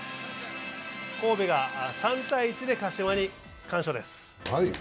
神戸が３−１で鹿島に完勝です。